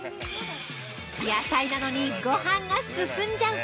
◆野菜なのにごはんが進んじゃう。